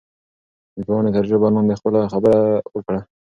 پاڼې تر ژبه لاندې خپله خبره وکړه.